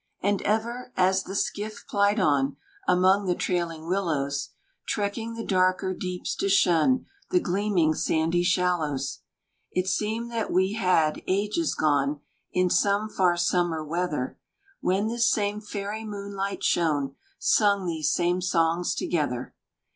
And ever, as the skiff plied on Among the trailing willows, Trekking the darker deeps to shun The gleaming sandy shallows, It seemed that we had, ages gone, In some far summer weather, When this same faery moonlight shone, Sung these same songs together.